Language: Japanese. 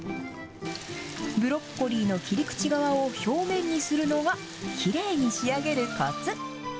ブロッコリーの切り口側を表面にするのが、きれいに仕上げるこつ。